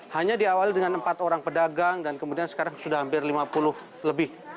hanya diawali dengan empat orang pedagang dan kemudian sekarang sudah hampir lima puluh lebih